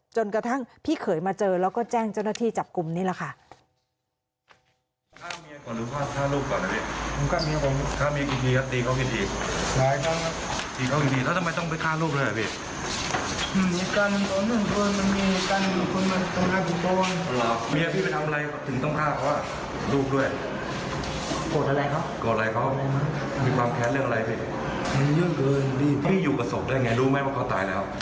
จนกระทั่งพี่เขยมาเจอแล้วก็แจ้งเจ้าหน้าที่จับกลุ่มนี่แหละค่ะ